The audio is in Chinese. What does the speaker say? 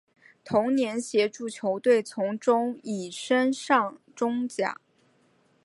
同年协助球队从中乙升上中甲。